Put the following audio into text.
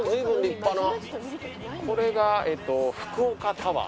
これがえっと福岡タワー。